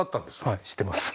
はい知ってます。